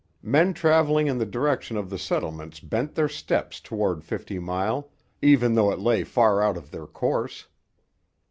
Men travelling in the direction of the settlements bent their steps toward Fifty Mile, even though it lay far out of their course.